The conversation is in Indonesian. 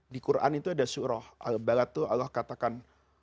di quran itu ada surah al balat itu allah katakan